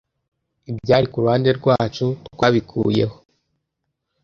Ibyari kuruhande rwacu twabikuyeho